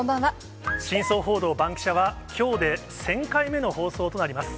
真相報道バンキシャ！は、きょうで１０００回目の放送となります。